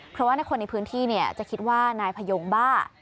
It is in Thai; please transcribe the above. เพราะว่าในคนในพื้นที่จะคิดว่านายพยงบ้า